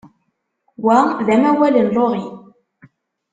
Wa d amawal n Laurie.